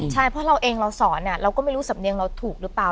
ใช่เพราะเราเองเราสอนเราก็ไม่รู้สำเนียงเราถูกหรือเปล่า